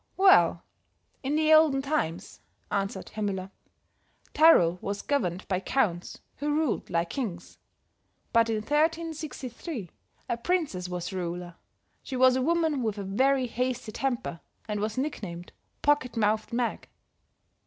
"Well, in the olden times," answered Herr Müller, "Tyrol was governed by counts who ruled like kings; but in 1363 a princess was the ruler; she was a woman with a very hasty temper and was nicknamed Pocket mouthed Meg.